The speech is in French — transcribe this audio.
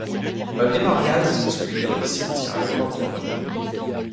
Un mémorial situé dans le cimetière porte leurs noms.